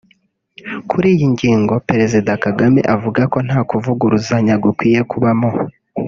Kuri iyi ngingo Perezida Kagame avuga ko nta kuvuguruzanya gukwiye kubamo